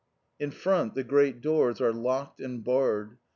In front, the great doors are locked and barred.